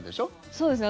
そうですね。